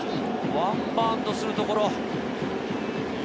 ワンバウンドするところ。